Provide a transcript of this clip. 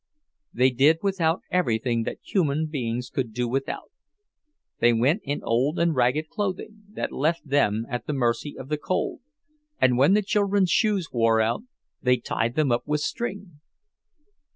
They did without everything that human beings could do without; they went in old and ragged clothing, that left them at the mercy of the cold, and when the children's shoes wore out, they tied them up with string.